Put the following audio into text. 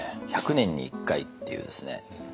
１００年に１回っていうですね